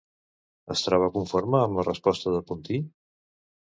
Es troba conforme amb la resposta de Puntí?